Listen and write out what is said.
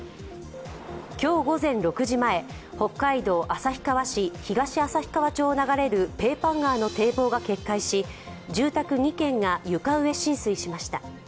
今日午前６時前、北海道旭川市東旭川町を流れるペーパン川の堤防が決壊し住宅２棟が床上浸水しました。